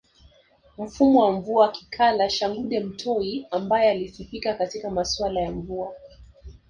Mfumwa wa Mvua Kikala Shaghude Mtoi ambaye alisifika katika masuala ya mvua